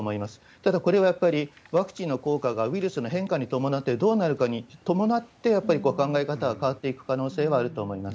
ただ、これはやっぱりワクチンの効果がウイルスの変化に伴ってどうなるかに伴って、やっぱり考え方は変わっていく可能性はあると思います。